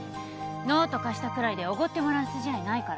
ノート貸したくらいでおごってもらう筋合いないから